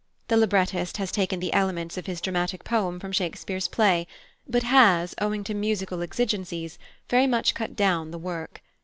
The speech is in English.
The librettist has taken the elements of his dramatic poem from Shakespeare's play, but has, owing to musical exigencies, very much cut down the work.